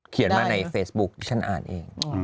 เขียนมาไหนเฟซพุคฉันอ่านเอง